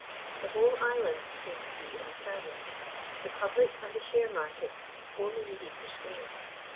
The whole island seemed to be in a ferment. The public and the share market only needed restraining.